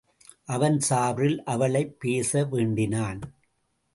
அவன் சார்பில் அவளைப் பேச வேண்டினான்.